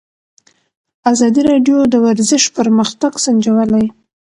ازادي راډیو د ورزش پرمختګ سنجولی.